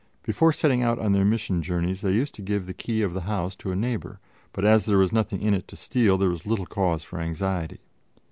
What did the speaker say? Before setting out on their mission journeys they used to give the key of the house to a neighbor; but as there was nothing in it to steal, there was little cause for anxiety.